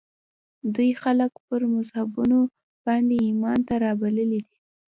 دوی خلک پر مذهبونو باندې ایمان ته رابللي دي